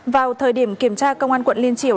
vào thời điểm kiểm tra công an quận liên triều